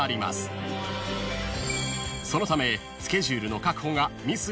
［そのためスケジュールの確保がミス